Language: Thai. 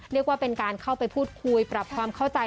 เรียกว่าเป็นการเข้าไปพูดคุยปรับความเข้าใจ